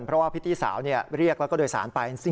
เพราะว่าพิธีสาวเรียกแล้วก็โดยสารไป